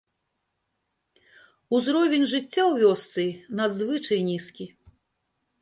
Узровень жыцця ў вёсцы надзвычай нізкі.